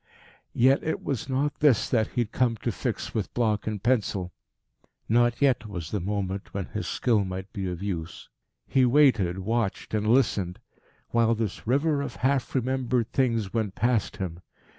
Yet it was not this that he had come to fix with block and pencil. Not yet was the moment when his skill might be of use. He waited, watched, and listened, while this river of half remembered things went past him.